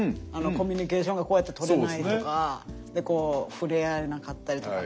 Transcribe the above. コミュニケーションがこうやって取れないとかこう触れ合えなかったりとか。